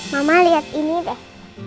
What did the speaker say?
mama liat ini deh